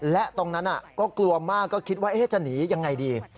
และตรงนั้นก็กลัวมากก็คิดว่าจะหนียังไงดี